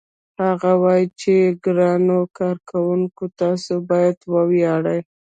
هغه وايي چې ګرانو کارګرانو تاسو باید وویاړئ